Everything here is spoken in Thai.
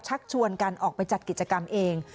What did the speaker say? ชักชวนกันออกไปจัดกิจกรรมเอง